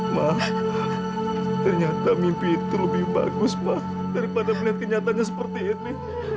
mah ternyata mimpi itu lebih bagus daripada melihat kenyataannya seperti ini